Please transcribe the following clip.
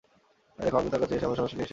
দেখো আমিও তার কাছে আমার সমস্যা নিয়ে এসেছি।